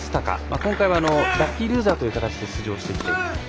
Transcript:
今回はラッキールーザーという形で出場していました。